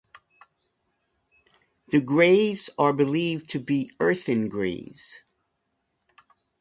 The graves are believed to be earthen graves.